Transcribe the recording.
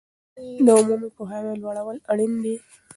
د عمومي پوهاوي لوړول اړین دي.